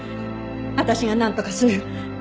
私がなんとかする。